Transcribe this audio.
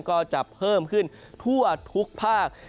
ก็จะเพิ่มขึ้นทั่วทุกภาค